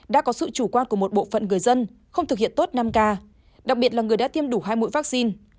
đã có sự chủ quan của một bộ phận người dân không thực hiện tốt năm k đặc biệt là người đã tiêm đủ hai mũi vaccine